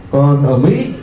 còn ở mỹ